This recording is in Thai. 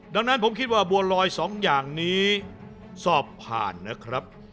ดังนั้นผมคิดว่าบัวลอย๒อย่างนี้สอบผ่านนะครับ